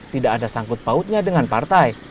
tidak ada sangkut pautnya dengan partai